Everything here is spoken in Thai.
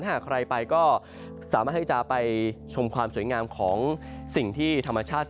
หากใครไปก็สามารถให้จะไปชมความสวยงามของสิ่งที่ธรรมชาติ